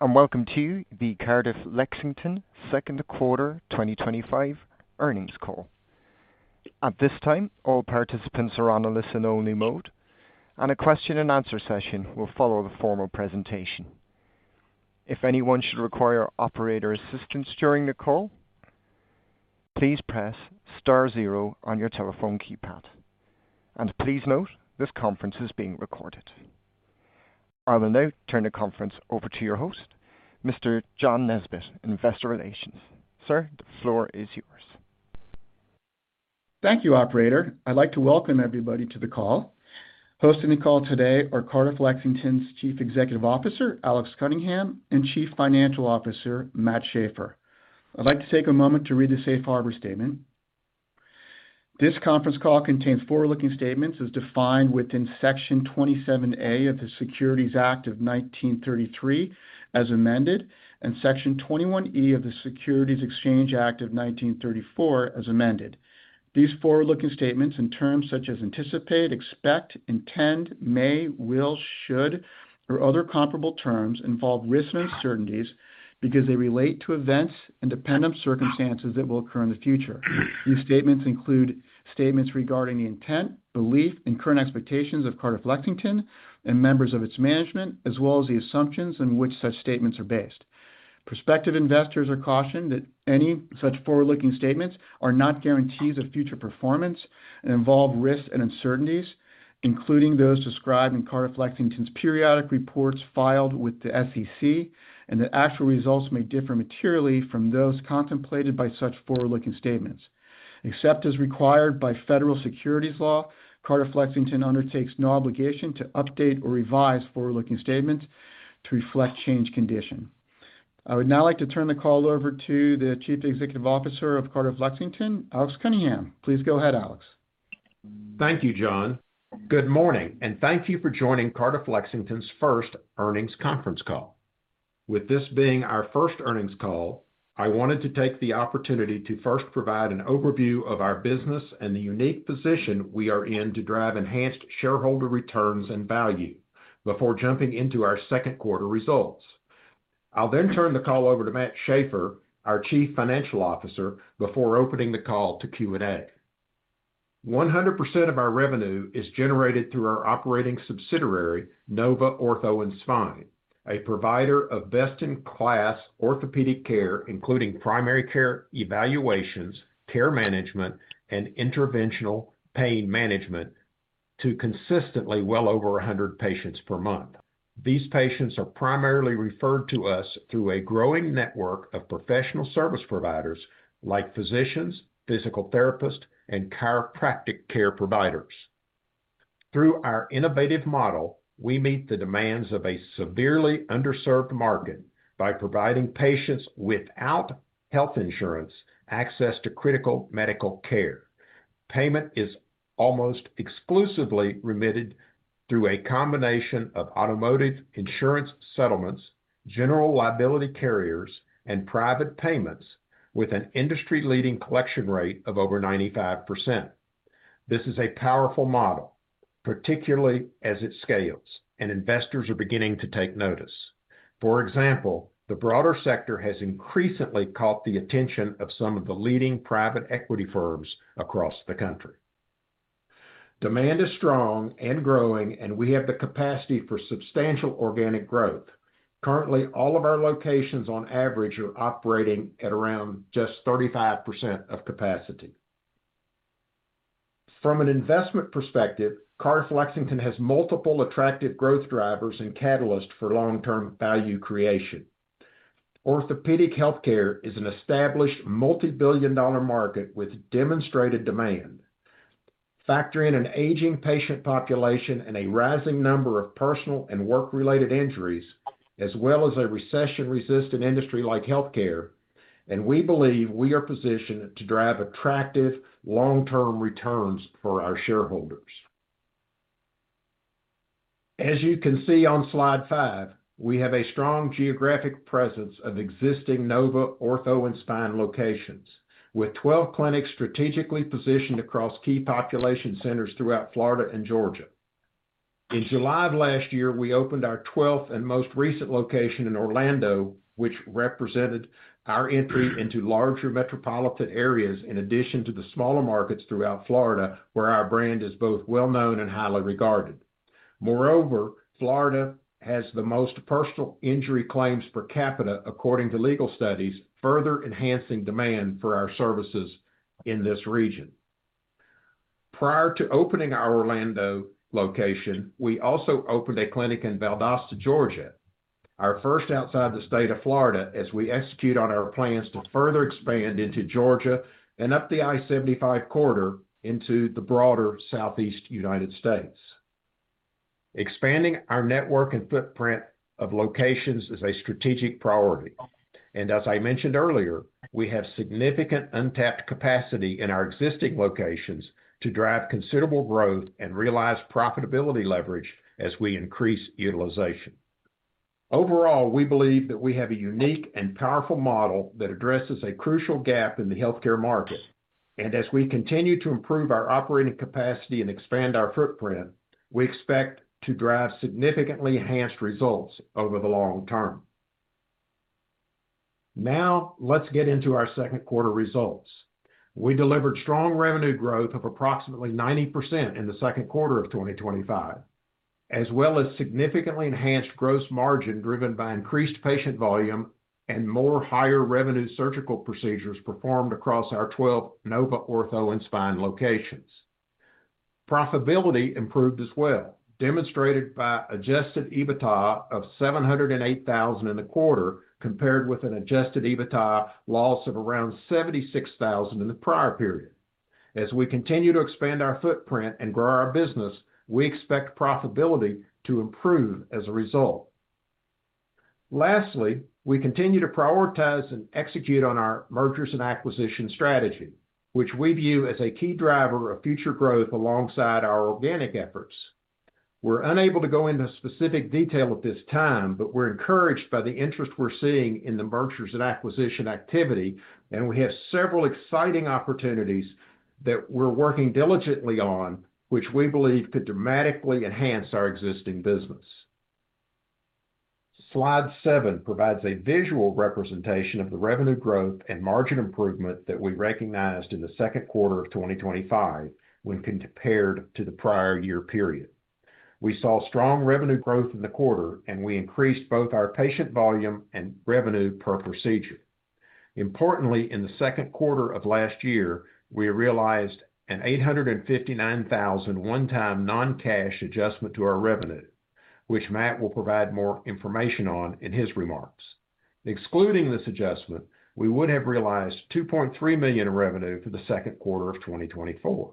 Welcome to the Cardiff Lexington second quarter 2025 earnings call. At this time, all participants are on a listen-only mode, and a question and answer session will follow the formal presentation. If anyone should require operator assistance during the call, please press star zero on your telephone keypad. Please note, this conference is being recorded. I will now turn the conference over to your host, Mr. John Nesbett, Investor Relations. Sir, the floor is yours. Thank you, operator. I'd like to welcome everybody to the call. Hosting the call today are Cardiff Lexington's Chief Executive Officer, Alex Cunningham, and Chief Financial Officer, Matt Shafer. I'd like to take a moment to read the Safe Harbor statement. This conference call contains forward-looking statements as defined within Section 27A of the Securities Act of 1933, as amended, and Section 21E of the Securities Exchange Act of 1934, as amended. These forward-looking statements, in terms such as anticipate, expect, intend, may, will, should, or other comparable terms, involve risks and uncertainties because they relate to events and dependent circumstances that will occur in the future. These statements include statements regarding the intent, belief, and current expectations of Cardiff Lexington and members of its management, as well as the assumptions on which such statements are based. Prospective investors are cautioned that any such forward-looking statements are not guarantees of future performance and involve risks and uncertainties, including those described in Cardiff Lexington's periodic reports filed with the SEC, and that actual results may differ materially from those contemplated by such forward-looking statements. Except as required by federal securities law, Cardiff Lexington undertakes no obligation to update or revise forward-looking statements to reflect changed condition. I would now like to turn the call over to the Chief Executive Officer of Cardiff Lexington, Alex Cunningham. Please go ahead, Alex. Thank you, John. Good morning, and thank you for joining Cardiff Lexington's first earnings conference call. With this being our first earnings call, I wanted to take the opportunity to first provide an overview of our business and the unique position we are in to drive enhanced shareholder returns and value before jumping into our second quarter results. I'll then turn the call over to Matt Shafer, our Chief Financial Officer, before opening the call to Q&A. 100% of our revenue is generated through our operating subsidiary, Nova Ortho and Spine, a provider of best-in-class orthopedic care, including primary care evaluations, care management, and interventional pain management to consistently well over 100 patients per month. These patients are primarily referred to us through a growing network of professional service providers like physicians, physical therapists, and chiropractic care providers. Through our innovative model, we meet the demands of a severely underserved market by providing patients without health insurance access to critical medical care. Payment is almost exclusively remitted through a combination of automotive insurance settlements, general liability carriers, and private payments with an industry-leading collection rate of over 95%. This is a powerful model, particularly as it scales, and investors are beginning to take notice. For example, the broader sector has increasingly caught the attention of some of the leading private equity firms across the country. Demand is strong and growing, and we have the capacity for substantial organic growth. Currently, all of our locations on average are operating at around just 35% of capacity. From an investment perspective, Cardiff Lexington has multiple attractive growth drivers and catalysts for long-term value creation. Orthopedic healthcare is an established multibillion-dollar market with demonstrated demand. Factor in an aging patient population and a rising number of personal and work-related injuries, as well as a recession-resistant industry like healthcare. We believe we are positioned to drive attractive long-term returns for our shareholders. As you can see on slide five, we have a strong geographic presence of existing Nova Ortho & Spine locations, with 12 clinics strategically positioned across key population centers throughout Florida and Georgia. In July of last year, we opened our 12th and most recent location in Orlando, which represented our entry into larger metropolitan areas in addition to the smaller markets throughout Florida, where our brand is both well-known and highly regarded. Moreover, Florida has the most personal injury claims per capita, according to legal studies, further enhancing demand for our services in this region. Prior to opening our Orlando location, we also opened a clinic in Valdosta, Georgia, our first outside the state of Florida, as we execute on our plans to further expand into Georgia and up the I-75 corridor into the broader Southeast U.S. Expanding our network and footprint of locations is a strategic priority. As I mentioned earlier, we have significant untapped capacity in our existing locations to drive considerable growth and realize profitability leverage as we increase utilization. Overall, we believe that we have a unique and powerful model that addresses a crucial gap in the healthcare market. As we continue to improve our operating capacity and expand our footprint, we expect to drive significantly enhanced results over the long term. Now let's get into our second quarter results. We delivered strong revenue growth of approximately 90% in the second quarter of 2025, as well as significantly enhanced gross margin driven by increased patient volume and more higher revenue surgical procedures performed across our 12 Nova Ortho & Spine locations. Profitability improved as well, demonstrated by adjusted EBITDA of $708,000 in the quarter, compared with an adjusted EBITDA loss of around $76,000 in the prior period. As we continue to expand our footprint and grow our business, we expect profitability to improve as a result. Lastly, we continue to prioritize and execute on our mergers and acquisition strategy, which we view as a key driver of future growth alongside our organic efforts. We're unable to go into specific detail at this time, but we're encouraged by the interest we're seeing in the mergers and acquisition activity, and we have several exciting opportunities that we're working diligently on, which we believe could dramatically enhance our existing business. Slide seven provides a visual representation of the revenue growth and margin improvement that we recognized in the second quarter of 2025 when compared to the prior year period. We saw strong revenue growth in the quarter, and we increased both our patient volume and revenue per procedure. Importantly, in the second quarter of last year, we realized an $859,000 one-time non-cash adjustment to our revenue, which Matt will provide more information on in his remarks. Excluding this adjustment, we would have realized $2.3 million in revenue for the second quarter of 2024.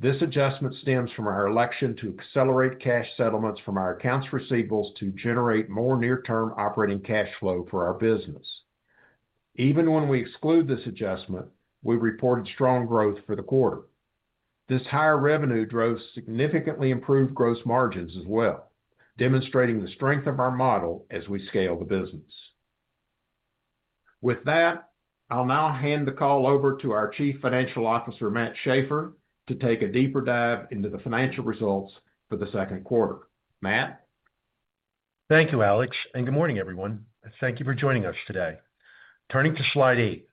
This adjustment stems from our election to accelerate cash settlements from our accounts receivables to generate more near-term operating cash flow for our business. Even when we exclude this adjustment, we reported strong growth for the quarter. This higher revenue drove significantly improved gross margins as well, demonstrating the strength of our model as we scale the business. With that, I'll now hand the call over to our Chief Financial Officer, Matt Schafer, to take a deeper dive into the financial results for the second quarter. Matt? Thank you, Alex, and good morning, everyone. Thank you for joining us today. Turning to slide eight.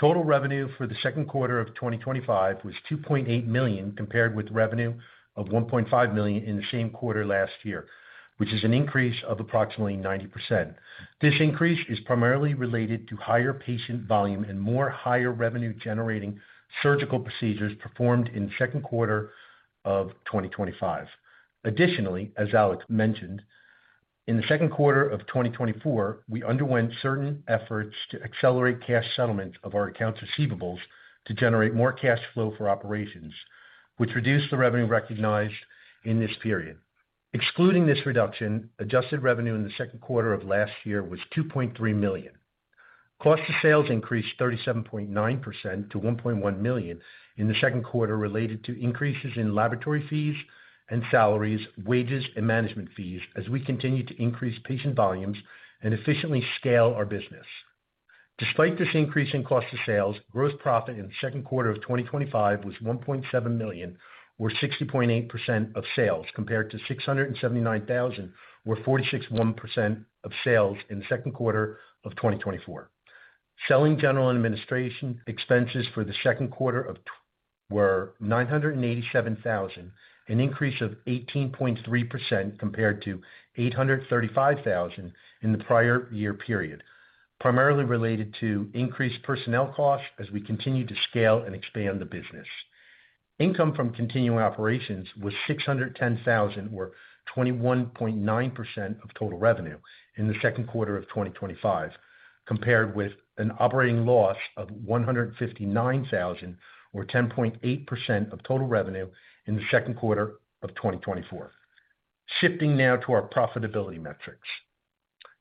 Total revenue for the second quarter of 2025 was $2.8 million, compared with revenue of $1.5 million in the same quarter last year, which is an increase of approximately 90%. This increase is primarily related to higher patient volume and more higher revenue generating surgical procedures performed in second quarter of 2025. Additionally, as Alex mentioned, in the second quarter of 2024, we underwent certain efforts to accelerate cash settlement of our accounts receivables to generate more cash flow for operations, which reduced the revenue recognized in this period. Excluding this reduction, adjusted revenue in the second quarter of last year was $2.3 million. Cost of sales increased 37.9% to $1.1 million in the second quarter, related to increases in laboratory fees and salaries, wages, and management fees, as we continue to increase patient volumes and efficiently scale our business. Despite this increase in cost of sales, gross profit in the second quarter of 2025 was $1.7 million, or 60.8% of sales, compared to $679,000 or 46.1% of sales in the second quarter of 2024. Selling, general, and administration expenses for the second quarter were $987,000, an increase of 18.3% compared to $835,000 in the prior year period, primarily related to increased personnel costs as we continue to scale and expand the business. Income from continuing operations was $610,000, or 21.9% of total revenue in the second quarter of 2025, compared with an operating loss of $159,000, or 10.8% of total revenue in the second quarter of 2024. Shifting now to our profitability metrics.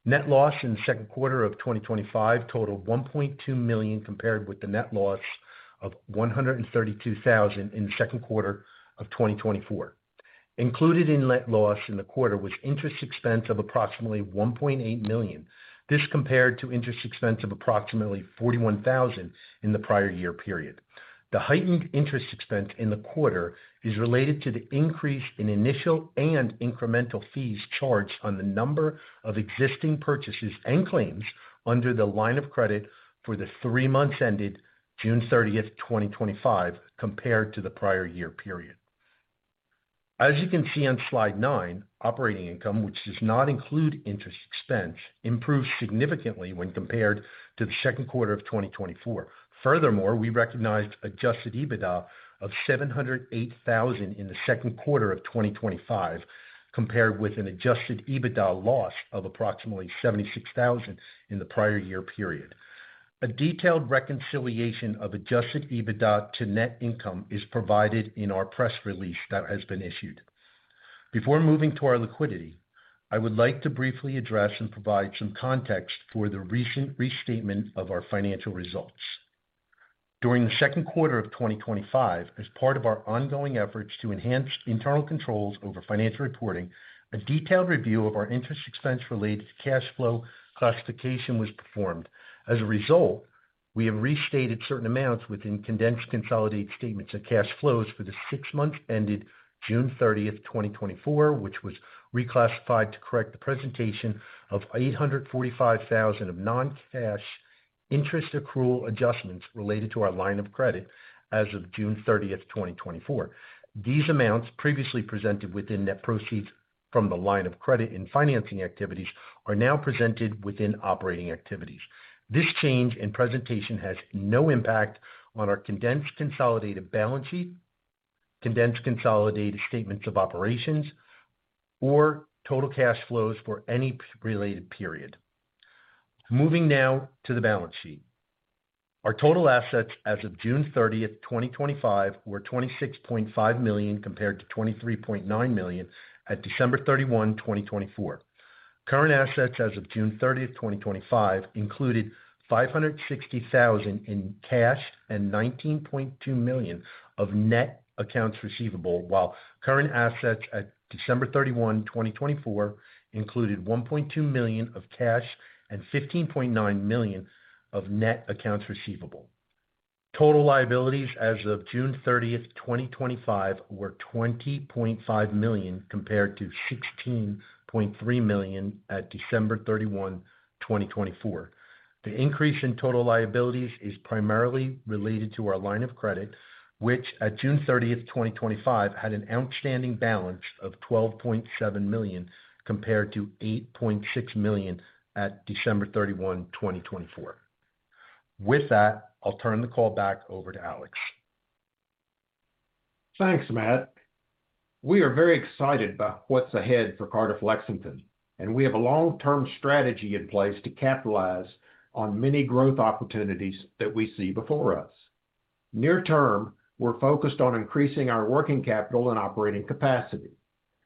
Net loss in the second quarter of 2025 totaled $1.2 million, compared with the net loss of $132,000 in the second quarter of 2024. Included in net loss in the quarter was interest expense of approximately $1.8 million. This compared to interest expense of approximately $41,000 in the prior year period. The heightened interest expense in the quarter is related to the increase in initial and incremental fees charged on the number of existing purchases and claims under the line of credit for the three months ended June 30th, 2025, compared to the prior year period. As you can see on slide nine, operating income, which does not include interest expense, improved significantly when compared to the second quarter of 2024. Furthermore, we recognized adjusted EBITDA of $708,000 in the second quarter of 2025, compared with an adjusted EBITDA loss of approximately $76,000 in the prior year period. A detailed reconciliation of adjusted EBITDA to net income is provided in our press release that has been issued. Before moving to our liquidity, I would like to briefly address and provide some context for the recent restatement of our financial results. During the second quarter of 2025, as part of our ongoing efforts to enhance internal controls over financial reporting, a detailed review of our interest expense related to cash flow classification was performed. As a result, we have restated certain amounts within condensed consolidated statements of cash flows for the six months ended June 30th, 2024, which was reclassified to correct the presentation of $845,000 of non-cash interest accrual adjustments related to our line of credit as of June 30th, 2024. These amounts, previously presented within net proceeds from the line of credit and financing activities, are now presented within operating activities. This change in presentation has no impact on our condensed consolidated balance sheet, condensed consolidated statements of operations, or total cash flows for any related period. Moving now to the balance sheet. Our total assets as of June 30th, 2025, were $26.5 million, compared to $23.9 million at December 31, 2024. Current assets as of June 30th, 2025, included $560,000 in cash and $19.2 million of net accounts receivable, while current assets at December 31, 2024, included $1.2 million of cash and $15.9 million of net accounts receivable. Total liabilities as of June 30th, 2025, were $20.5 million compared to $16.3 million at December 31, 2024. The increase in total liabilities is primarily related to our line of credit, which at June 30th, 2025, had an outstanding balance of $12.7 million, compared to $8.6 million at December 31, 2024. With that, I'll turn the call back over to Alex. Thanks, Matt. We are very excited about what's ahead for Cardiff Lexington, and we have a long-term strategy in place to capitalize on many growth opportunities that we see before us. Near term, we're focused on increasing our working capital and operating capacity.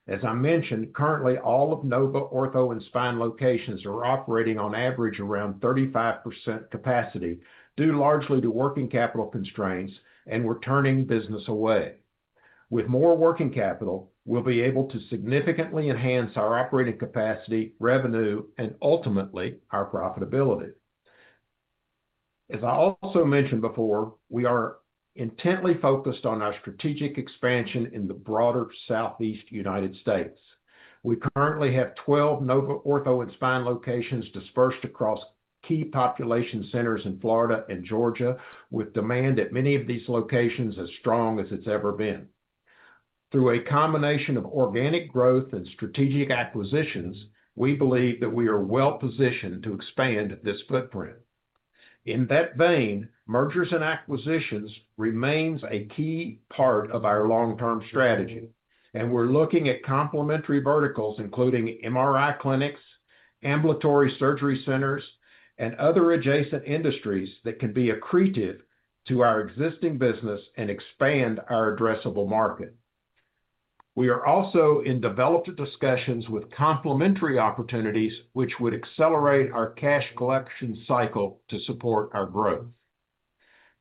As I mentioned, currently all of Nova Ortho and Spine locations are operating on average around 35% capacity, due largely to working capital constraints, and we're turning business away. With more working capital, we'll be able to significantly enhance our operating capacity, revenue, and ultimately, our profitability. As I also mentioned before, we are intently focused on our strategic expansion in the broader Southeast United States. We currently have 12 Nova Ortho and Spine locations dispersed across key population centers in Florida and Georgia, with demand at many of these locations as strong as it's ever been. Through a combination of organic growth and strategic acquisitions, we believe that we are well-positioned to expand this footprint. In that vein, mergers and acquisitions remains a key part of our long-term strategy, and we're looking at complementary verticals, including MRI clinics, ambulatory surgery centers, and other adjacent industries that can be accretive to our existing business and expand our addressable market. We are also in developed discussions with complementary opportunities which would accelerate our cash collection cycle to support our growth.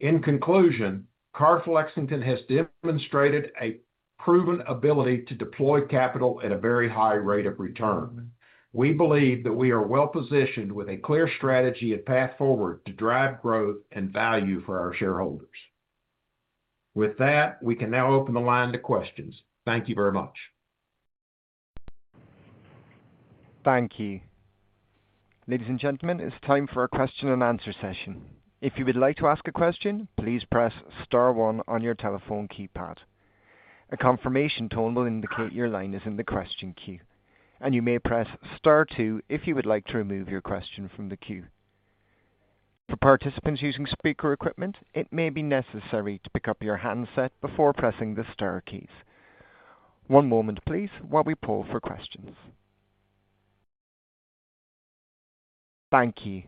In conclusion, Cardiff Lexington has demonstrated a proven ability to deploy capital at a very high rate of return. We believe that we are well-positioned with a clear strategy and path forward to drive growth and value for our shareholders. With that, we can now open the line to questions. Thank you very much. Thank you. Ladies and gentlemen, it's time for our question and answer session. If you would like to ask a question, please press star one on your telephone keypad. A confirmation tone will indicate your line is in the question queue, and you may press star two if you would like to remove your question from the queue. For participants using speaker equipment, it may be necessary to pick up your handset before pressing the star keys. One moment, please, while we poll for questions. Thank you.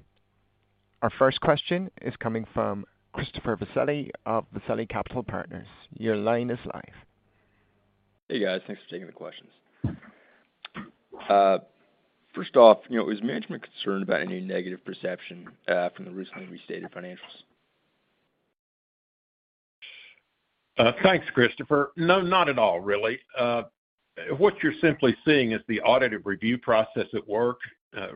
Our first question is coming from Christopher Vasselli of Vasselli Capital Partners. Your line is live. Hey, guys. Thanks for taking the questions. First off, is management concerned about any negative perception from the recently restated financials? Thanks, Christopher. No, not at all, really. What you're simply seeing is the audited review process at work.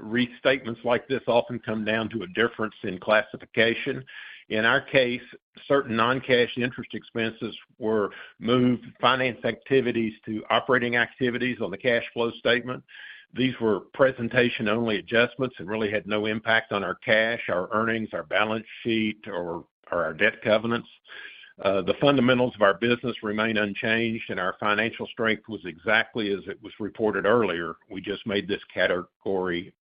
Restatements like this often come down to a difference in classification. In our case, certain non-cash interest expenses were moved finance activities to operating activities on the cash flow statement. These were presentation-only adjustments and really had no impact on our cash, our earnings, our balance sheet, or our debt covenants. The fundamentals of our business remain unchanged, and our financial strength was exactly as it was reported earlier. We just made this category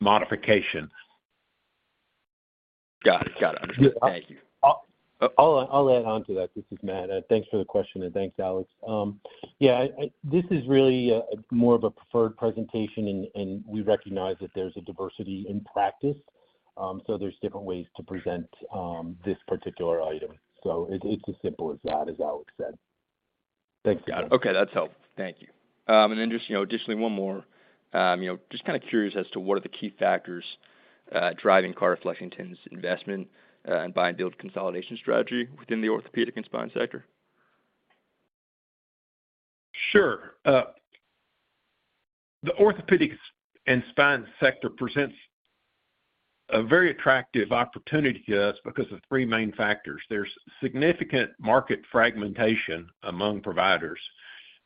modification. Got it. Thank you. I'll add onto that. This is Matt. Thanks for the question, and thanks, Alex. Yeah. This is really more of a preferred presentation, and we recognize that there's a diversity in practice, so there's different ways to present this particular item. It's as simple as that, as Alex said. Thanks. Got it. Okay, that's helpful. Thank you. Just additionally, one more. Just kind of curious as to what are the key factors driving Cardiff Lexington's investment and buy and build consolidation strategy within the orthopedic and spine sector? Sure. The orthopedics and spine sector presents a very attractive opportunity to us because of three main factors. There's significant market fragmentation among providers.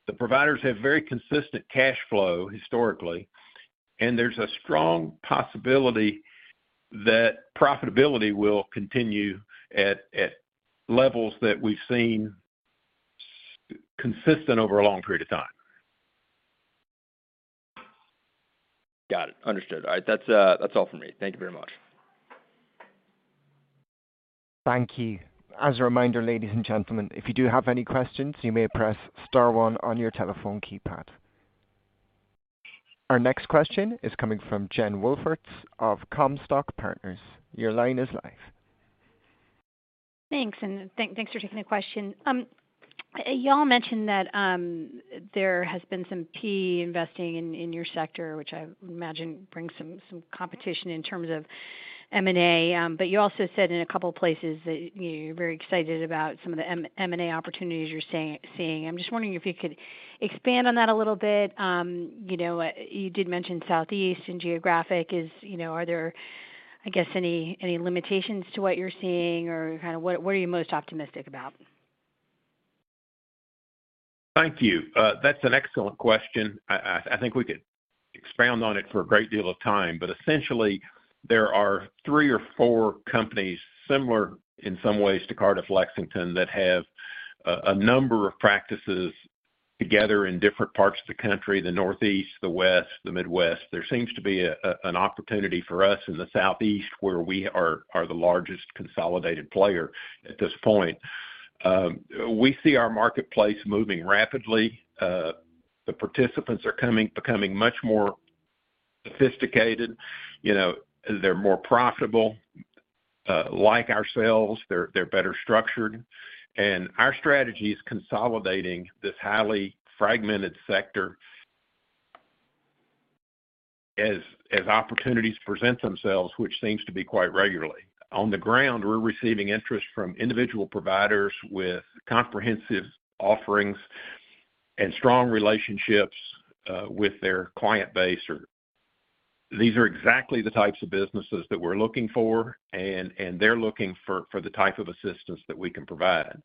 The providers have very consistent cash flow historically, and there's a strong possibility that profitability will continue at levels that we've seen consistent over a long period of time. Got it. Understood. All right. That's all from me. Thank you very much. Thank you. As a reminder, ladies and gentlemen, if you do have any questions, you may press star one on your telephone keypad. Our next question is coming from Jen Wolford of Comstock Partners. Your line is live. Thanks. Thanks for taking the question. You all mentioned that there has been some PE investing in your sector, which I imagine brings some competition in terms of M&A. You also said in a couple of places that you're very excited about some of the M&A opportunities you're seeing. I'm just wondering if you could expand on that a little bit. You did mention Southeast in geographic. Are there, I guess, any limitations to what you're seeing, or what are you most optimistic about? Thank you. That's an excellent question. I think we could expound on it for a great deal of time. Essentially, there are three or four companies, similar in some ways to Cardiff Lexington, that have a number of practices together in different parts of the country, the Northeast, the West, the Midwest. There seems to be an opportunity for us in the Southeast, where we are the largest consolidated player at this point. We see our marketplace moving rapidly. The participants are becoming much more sophisticated. They're more profitable. Like ourselves, they're better structured. Our strategy is consolidating this highly fragmented sector as opportunities present themselves, which seems to be quite regularly. On the ground, we're receiving interest from individual providers with comprehensive offerings and strong relationships with their client base. These are exactly the types of businesses that we're looking for, and they're looking for the type of assistance that we can provide.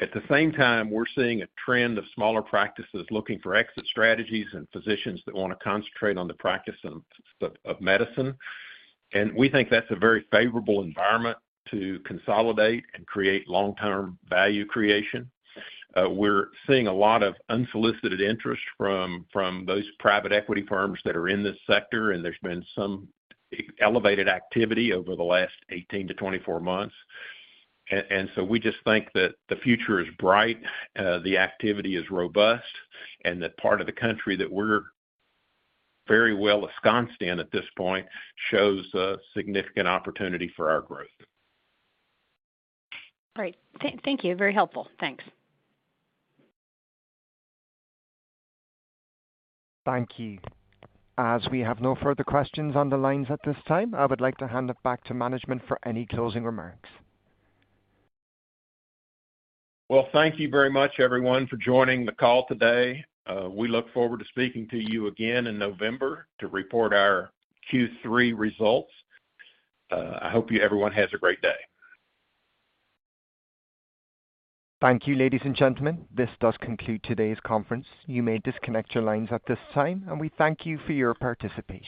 At the same time, we're seeing a trend of smaller practices looking for exit strategies and physicians that want to concentrate on the practice of medicine. We think that's a very favorable environment to consolidate and create long-term value creation. We're seeing a lot of unsolicited interest from those private equity firms that are in this sector, and there's been some elevated activity over the last 18-24 months. We just think that the future is bright, the activity is robust, and that part of the country that we're very well ensconced in at this point shows a significant opportunity for our growth. Great. Thank you. Very helpful. Thanks. Thank you. As we have no further questions on the lines at this time, I would like to hand it back to management for any closing remarks. Well, thank you very much, everyone, for joining the call today. We look forward to speaking to you again in November to report our Q3 results. I hope everyone has a great day. Thank you, ladies and gentlemen. This does conclude today's conference. You may disconnect your lines at this time, and we thank you for your participation.